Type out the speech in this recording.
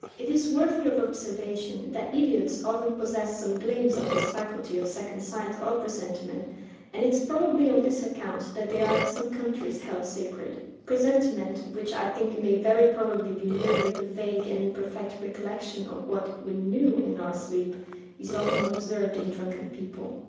It is worthy of observation, that idiots often possess some gleams of this faculty of second sight or presentiment; and it is probably on this account that they are in some countries held sacred. Presentiment, which I think may very probably be merely the vague and imperfect recollection of what we knew in our sleep, is often observed in drunken people.